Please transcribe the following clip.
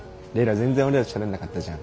全然俺らとしゃべんなかったじゃん。